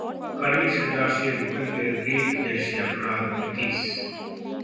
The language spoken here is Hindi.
कड़ी सजा से रुकेंगे रेप जैसे अपराध: नीतीश